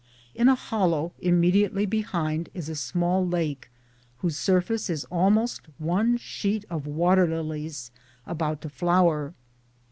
In a hollow immediately behind is a small lake whose surface is almost one sheet of waterlilies about to flower.